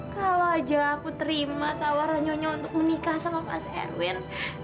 kalau aja aku terima tawaran nyonya untuk menikah sama mas erwin